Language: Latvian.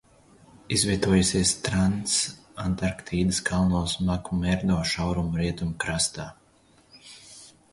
Izvietojusies Transantarktīdas kalnos Makmerdo šauruma rietumu krastā.